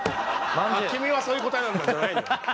「君はそういう答えなんだ」じゃないのよ。